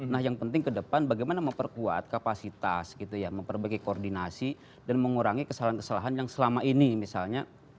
nah yang penting ke depan bagaimana memperkuat kapasitas gitu ya memperbaiki koordinasi dan mengurangi kesalahan kesalahan yang selama ini misalnya